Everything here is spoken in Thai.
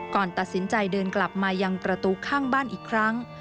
ก่อนตัดสินใจเดินกลับมายังประตูข้างบ้านอีกครั้ง